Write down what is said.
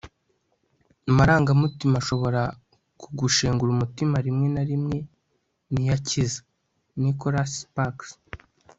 amarangamutima ashobora kugushengura umutima rimwe na rimwe ni yo akiza. - nicholas sparks